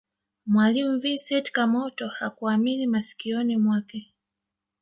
mwalimu vincent kamoto hakuamini masikioni mwake